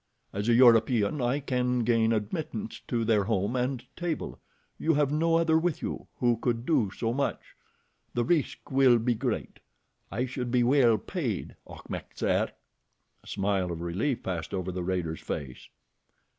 As a European I can gain admittance to their home and table. You have no other with you who could do so much. The risk will be great. I should be well paid, Achmet Zek." A smile of relief passed over the raider's face.